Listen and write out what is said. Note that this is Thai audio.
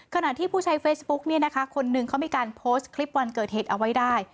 ขณะที่ผู้ใช้เฟซบุ๊กเนี่ยนะคะคนหนึ่งเขามีการโพสต์คลิปวันเกิดเหตุเอาไว้ได้